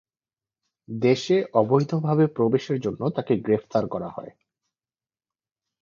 দেশে অবৈধভাবে প্রবেশের জন্য তাকে গ্রেফতার করা হয়।